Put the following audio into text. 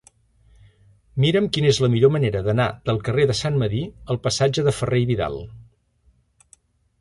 Mira'm quina és la millor manera d'anar del carrer de Sant Medir al passatge de Ferrer i Vidal.